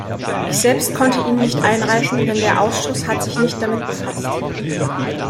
Ich selbst konnte ihn nicht einreichen, denn der Ausschuss hat sich nicht damit befasst.